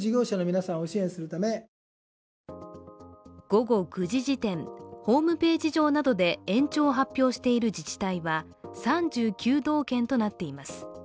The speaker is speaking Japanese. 午後９時時点、ホームページ上などで延長を発表している自治体は３９道県となっています。